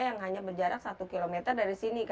yang hanya berjarak satu km dari sini